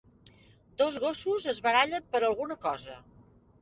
Dos gossos es barallen per alguna cosa.